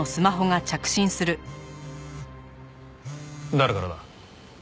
誰からだ？